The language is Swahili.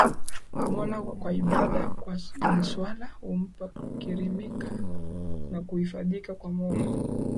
Mola kwa ibada na swala humpa kukirimika na kuhifadhika kwa Mola